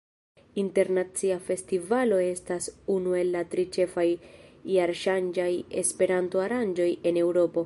Internacia Festivalo estas unu el la tri ĉefaj jarŝanĝaj Esperanto-aranĝoj en Eŭropo.